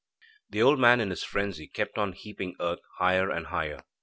The old man in his frenzy kept on heaping earth higher and higher.